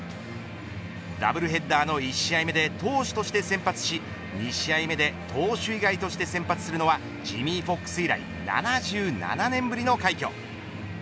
ダブルヘッダーの１試合目で投手として先発し２試合目で投手以外として先発するのはジミー・フォックス以来７７年ぶりの快挙。